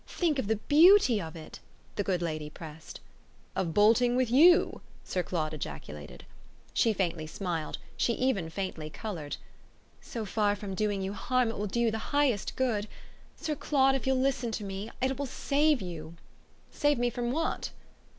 Think of the beauty of it," the good lady pressed. "Of bolting with YOU?" Sir Claude ejaculated. She faintly smiled she even faintly coloured. "So far from doing you harm it will do you the highest good. Sir Claude, if you'll listen to me, it will save you." "Save me from what?"